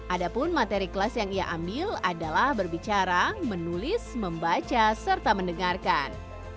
ada pun materi kelas yang ia ambil adalah berbicara menulis membaca serta mendengarkan